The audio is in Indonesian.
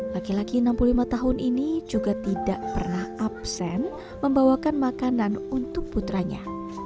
laki laki enam puluh lima tahun ini juga tidak pernah absen membawakan makanan untuk putranya